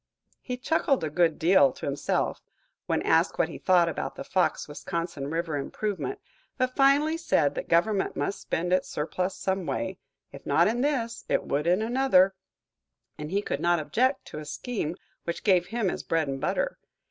He chuckled a good deal to himself when asked what he thought about the Fox Wisconsin river improvement, but finally said that government must spend its surplus some way, if not in this, it would in another, and he could not object to a scheme which gave him his bread and butter.